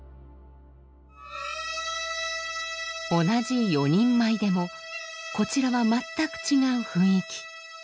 同じ四人舞でもこちらは全く違う雰囲気。